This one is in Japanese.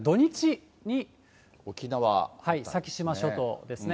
先島諸島ですね。